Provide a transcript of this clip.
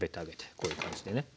こういう感じでね。